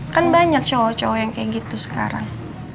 kan banyak showe cowok cowok yang kayak gitu sekarang